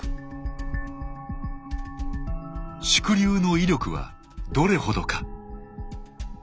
縮流の威力はどれほどか。